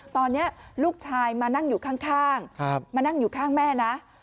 ตอนนี้ลูกชายมานั่งอยู่ข้างมานั่งอยู่ข้างแม่นะ